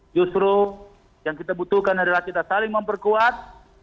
justru yang kita butuhkan adalah kita saling memperkuat